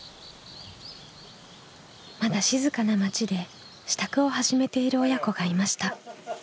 まだ静かな町で支度を始めている親子がいました。